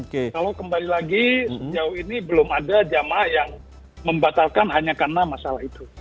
kalau kembali lagi sejauh ini belum ada jamaah yang membatalkan hanya karena masalah itu